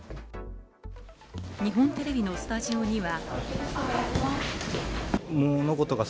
日本テレビのスタジオには。